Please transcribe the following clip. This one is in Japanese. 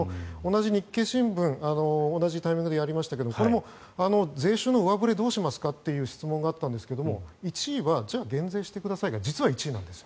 日経新聞同じタイミングでやりましたけどこれも税収の上振れどうしますかという質問があったんですが１位はじゃあ減税してくださいが実は１位なんです。